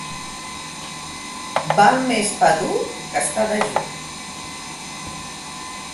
Val més pa dur que estar dejú.